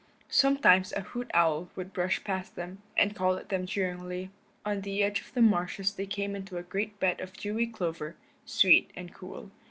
Sometimes a hoot owl would brush past them, and call at them jeeringly. On the edge of the marshes they came into a great bed of dewy clover, sweet and cool.